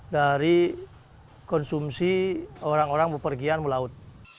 dari konsumsi orang orang berpergian melaut